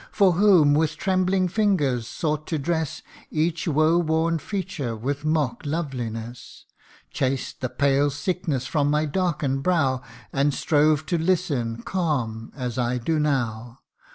For whom, with trembling fingers sought to dress Each woe worn feature with mock loveliness ? Chased the pale sickness from my darken'd brow, And strove to listen, calm as I do now